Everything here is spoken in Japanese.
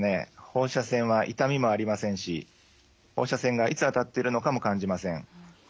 放射線は痛みもありませんし放射線がいつ当たってるのかも感じません。